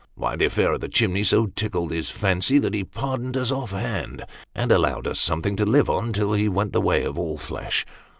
" Why, the affair of the chimney so tickled his fancy, that he pardoned us off hand, and allowed us something to live on till he went the way of all flesh.